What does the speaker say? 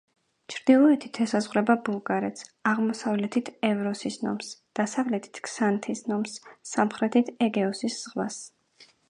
ჩრდილოეთით ესაზღვრება ბულგარეთს, აღმოსავლეთით ევროსის ნომს, დასავლეთით ქსანთის ნომს, სამხრეთით ეგეოსის ზღვას.